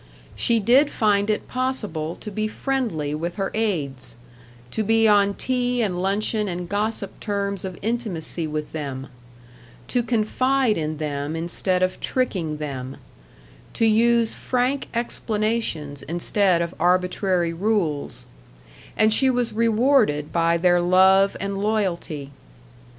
She did find it possible to be friendly with her aides, to be on tea and luncheon and gossip terms of intimacy with them, to confide in them instead of tricking them, to use frank explanations instead of arbitrary rules; and she was rewarded by their love and loyalty.